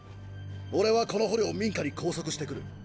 俺はこの捕虜を民家に拘束してくる！！